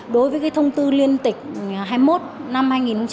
đối với thông tư liên tịch hai mươi một năm hai nghìn một mươi ba